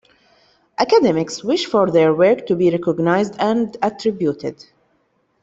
Academics wish for their work to be recognized and attributed.